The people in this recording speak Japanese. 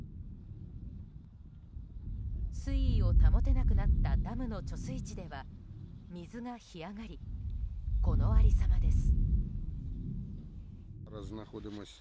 水位を保てなくなったダムの貯水池では水が干上がり、この有り様です。